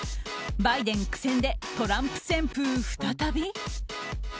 バイデン苦戦でトランプ旋風再び？